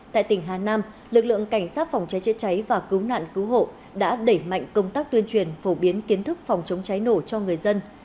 tại tỉnh hà nam lực lượng cảnh sát phòng cháy chữa cháy và cứu nạn cứu hộ đã đẩy mạnh công tác tuyên truyền phổ biến kiến thức phòng chống cháy nổ cho người dân